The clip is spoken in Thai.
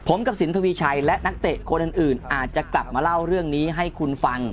ผมกับสินทวีชัยและนักเตะคนอื่นอาจจะกลับมาเล่าเรื่องนี้ให้คุณฟัง